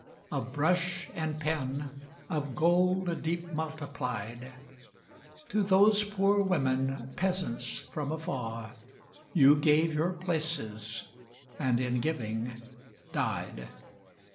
Of brush and pen, of gold deep multiplied, To those poor women, peasants from afar. You gave your places, and in giving died